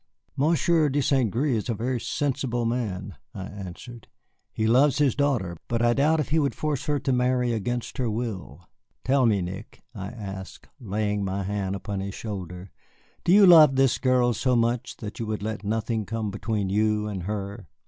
"Monsieur de St. Gré is a very sensible man," I answered. "He loves his daughter, and I doubt if he would force her to marry against her will. Tell me, Nick," I asked, laying my hand upon his shoulder, "do you love this girl so much that you would let nothing come between you and her?"